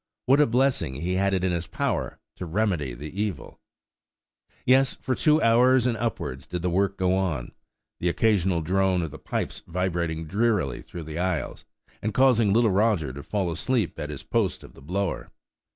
–What a blessing he had it in his power to remedy the evil! Yes; for two hours and upwards did the work go on; the occasional drone of the pipes vibrating drearily through the aisles, and causing little Roger to fall asleep at his post of the blower.